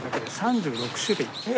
３６種類？